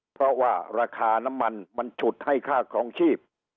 เพราะว่าราคาน้ำมันมันฉุดให้ค่าครองชีพ